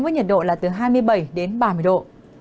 với nhiệt độ là từ hai mươi bảy đến ba mươi độ